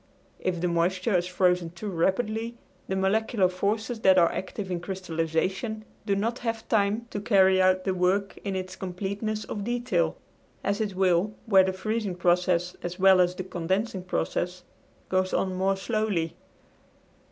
If the moisture is frozen too rapidly the molecular forces that are active in crystallization do not have time to carry out the work, in its completeness of detail, as it will where the freezing process, as well as the condensing process, goes on more slowly.